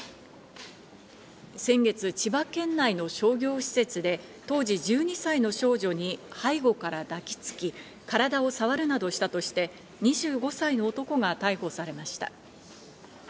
先月、千葉県内の商業施設で当時１２歳の少女に背後から抱きつき、体をさわるなどしたとして、２５歳の男が逮捕されました。